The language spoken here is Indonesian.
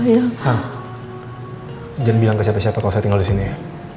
jangan bilang ke siapa siapa kalau saya tinggal disini ya